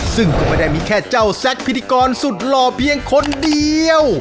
ซึ่งก็ไม่ได้มีแค่เจ้าแซ็กพิธีกรสุดหล่อเพียงคนเดียว